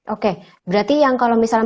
oke berarti yang kalau misalnya